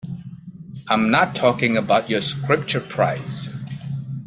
I'm not talking about your Scripture prize.